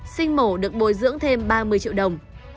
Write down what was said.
sinh mổ được bồi dưỡng thêm ba mươi triệu đồng